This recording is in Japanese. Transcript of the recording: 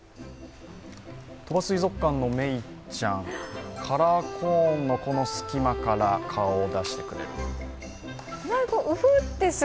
鳥羽水族館のメイちゃん、カラーコーンの隙間から顔を出してくれる。